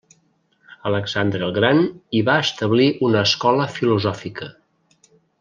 Alexandre el Gran hi va establir una escola filosòfica.